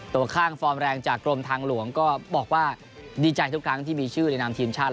ตัวข้างฟอร์มแรงจากกรมทางหลวงก็บอกว่าดีใจทุกครั้งที่มีชื่อในนามทีมชาติ